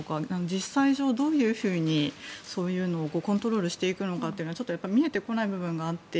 実際、どういうふうにコントロールしていくのかは見えてこない部分があって。